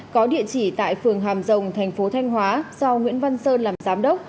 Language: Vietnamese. có địa chỉ tại phường hàm rồng thành phố thanh hóa do nguyễn văn sơn làm giám đốc